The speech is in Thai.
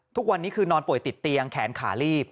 ทุกวันนี้คือนอนป่วยติดเตียงแขนขาลีบ